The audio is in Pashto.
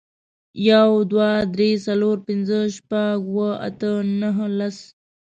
يو، دوه، درې، څلور، پينځه، شپږ، اووه، اته، نهه، لس